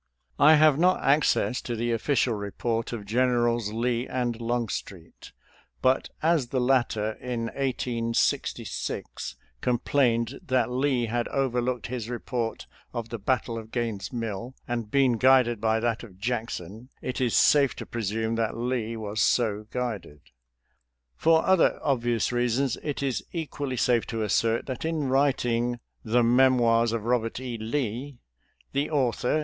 I have not access to the official report of Gen erals Lee and Longstreet, but as the latter, in 1866, complained that Lee had overlooked his report of the battle of Gaines' Mill, and been FOUKTH TEXAS AT GAINES' MILLS 309 guided by that of Jackson, it is safe to presume that Lee was so guided. For other obvious reasons, it is equally safe to assert that in writ ing " The Memoirs of Eobert E. Lee," the author.